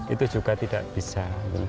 itu juga tidak bisa